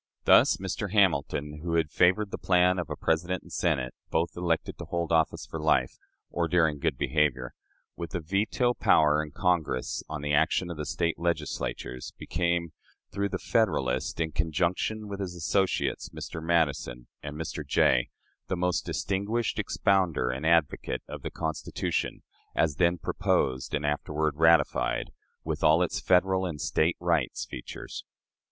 Thus, Mr. Hamilton, who had favored the plan of a President and Senate, both elected to hold office for life (or during good behavior), with a veto power in Congress on the action of the State Legislatures, became, through the "Federalist," in conjunction with his associates, Mr. Madison and Mr. Jay, the most distinguished expounder and advocate of the Constitution, as then proposed and afterward ratified, with all its Federal and State rights features.